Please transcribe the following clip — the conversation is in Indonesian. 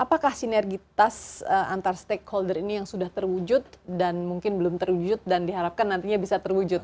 apakah sinergitas antar stakeholder ini yang sudah terwujud dan mungkin belum terwujud dan diharapkan nantinya bisa terwujud